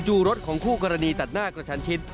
รถของคู่กรณีตัดหน้ากระชันชิด